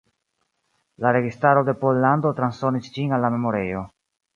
La registaro de Pollando transdonis ĝin al la memorejo.